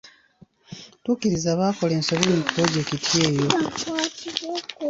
Tukkiriza, baakola ensobi mu pulojekiti eyo.